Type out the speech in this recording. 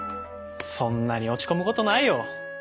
そんなに落ち込むことないよ。